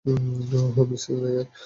ওহ, Mrs Nair.